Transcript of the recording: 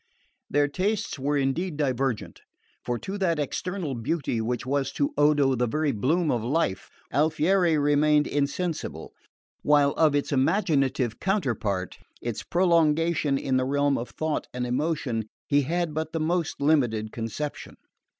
Their tastes were indeed divergent, for to that external beauty which was to Odo the very bloom of life, Alfieri remained insensible; while of its imaginative counterpart, its prolongation in the realm of thought and emotion, he had but the most limited conception.